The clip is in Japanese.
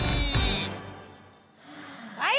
はい！